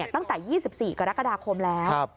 ตั้งแต่๒๔กรกฎาคมแล้ว